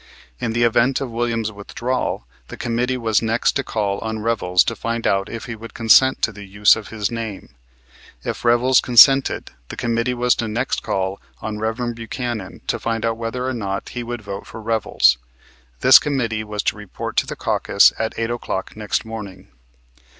In the event of Williams' withdrawal, the committee was next to call on Revels to find out if he would consent to the use of his name. If Revels consented, the committee was next to call on Rev. Buchanan to find out whether or not he would vote for Revels. This committee was to report to the caucus at 8 o'clock next morning.